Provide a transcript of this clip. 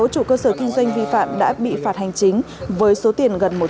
một mươi sáu chủ cơ sở kinh doanh vi phạm đã bị phạt hành chính với số tiền gần một trăm năm mươi triệu đồng